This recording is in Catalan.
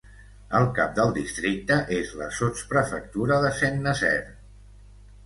El cap del districte és la sotsprefectura de Saint-Nazaire.